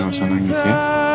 kamu bisa menangis ya